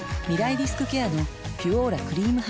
リスクケアの「ピュオーラ」クリームハミガキ